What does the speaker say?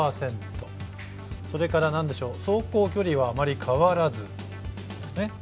それから走行距離はあまり変わらずですね。